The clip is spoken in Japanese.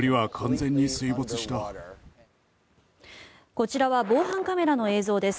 こちらは防犯カメラの映像です。